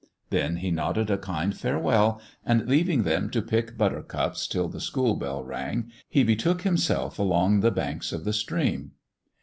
Then he nodded a kind farewell, and leaving them to pick butter cups till the school bell rang, he betook himself along the banks of the stream.